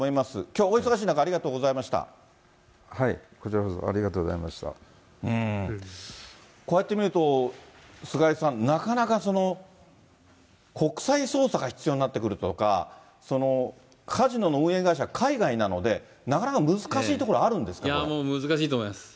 きょうはお忙しい中、こちらこそ、こうやって見ると、菅井さん、なかなか国際捜査が必要になってくるとか、カジノの運営会社が海外なので、なかなか難しいところあるんですか、もう、難しいと思います。